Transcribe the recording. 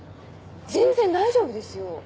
全然大丈夫ですよ！